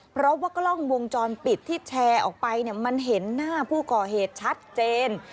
เพราะว่ากล้องวงจรปิดที่แชร์ออกไปเนี่ยมันเห็นหน้าผู้ก่อเหตุชัดเจน